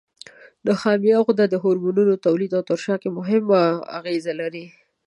نخامیه غده د هورمون تولید او ترشح کې مهمه اغیزه لري.